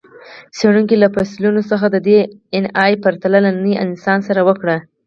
څېړونکو له فسیلونو څخه د ډياېناې پرتله له ننني انسان سره وکړه.